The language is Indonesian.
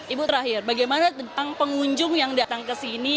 ibu terakhir bagaimana tentang pengunjung yang datang ke sini